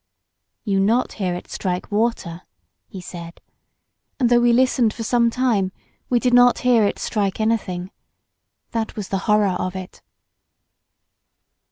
"You not hear it strike water," he said, and though we listened for some time, we did not hear it strike anything. That was the horror of it.